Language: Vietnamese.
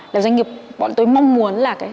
là doanh nghiệp bọn tôi mong muốn là